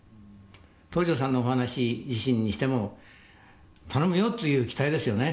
東條さんのお話自身にしても頼むよという期待ですよね。